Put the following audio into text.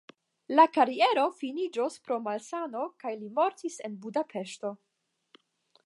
Lia kariero finiĝis pro malsano kaj li mortis en Budapeŝto.